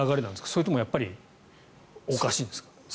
それともやっぱりおかしいんですか？